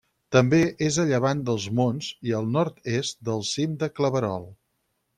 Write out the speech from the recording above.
També és a llevant dels Monts i al nord-est del cim de Claverol.